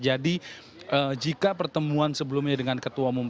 jadi jika pertemuan sebelumnya dengan ketua umum partai